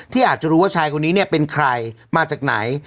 อาจจะรู้ว่าชายคนนี้เนี่ยเป็นใครมาจากไหน